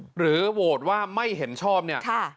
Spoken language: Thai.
หรือโหวตว่าไม่เห็นชอบเนี่ย